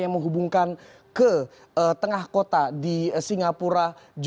yang menghubungkan ke tengah kota di singapura